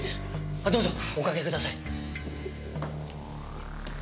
あどうぞおかけください。